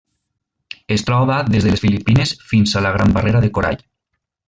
Es troba des de les Filipines fins a la Gran Barrera de Corall.